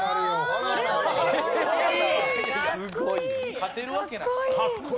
勝てるわけない。